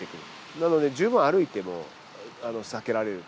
なので、十分歩いても避けられる。